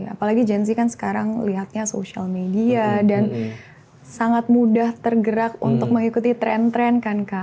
apalagi jensey kan sekarang lihatnya social media dan sangat mudah tergerak untuk mengikuti tren tren kan kak